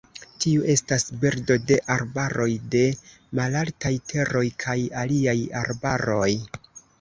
Tiu estas birdo de arbaroj de malaltaj teroj kaj aliaj arbaroj.